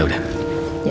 kita tunggu aja